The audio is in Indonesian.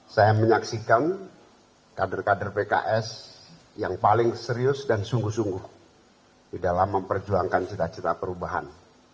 saya menyaksikan kader kader pks yang paling serius dan sungguh sungguh di dalam memperjuangkan cita cita perubahan